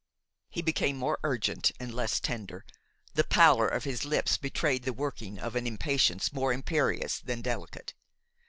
He became more urgent and less tender; the pallor of his lips betrayed the working of an impatience more imperious than delicate.